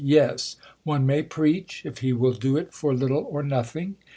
Yes ; one may preach, if he will do it for little or nothing.